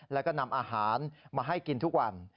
แล้วก็นำอาหารมาให้กินทุกวัน